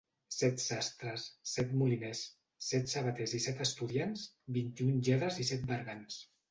Set sastres, set moliners, set sabaters i set estudiants, vint-i-un lladres i set bergants.